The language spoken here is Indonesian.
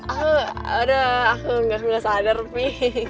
aku udah aku gak sadar pi